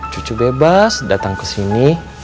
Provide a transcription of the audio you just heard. cucu bebas datang kesini